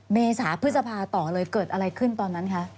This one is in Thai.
เมษาพฤษภาต่อเลยเกิดอะไรขึ้นตอนนั้นคะ